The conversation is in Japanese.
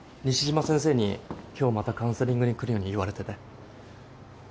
西島先生に今日またカウンセリングに来るように言われてて。